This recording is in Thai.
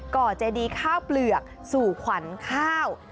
่อเจดีข้าวเปลือกสู่ขวัญข้าว